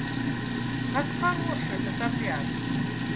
Как хорош этот обряд!